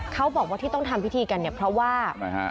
เขาบอกว่าที่ต้องทำพิธีกันเนี่ยเพราะว่า